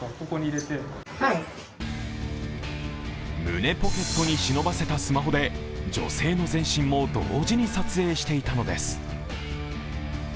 胸ポケットに忍ばせたスマホで女性の全身も同時に撮影していたのです。